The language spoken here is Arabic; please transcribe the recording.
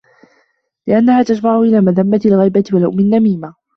لِأَنَّهَا تَجْمَعُ إلَى مَذَمَّةِ الْغِيبَةِ وَلُؤْمِ النَّمِيمَةِ